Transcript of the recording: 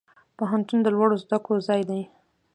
پوهنتون د لوړو زده کړو ځای دی